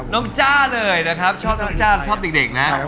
จ้าเลยนะครับชอบน้องจ้าชอบเด็กนะ